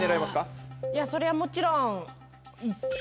それはもちろん。